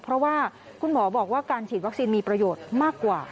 เพราะว่าคุณหมอบอกว่าการฉีดวัคซีนมีประโยชน์มากกว่า